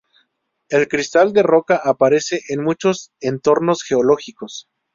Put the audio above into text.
El cristal de roca aparece en muchos entornos geológicos.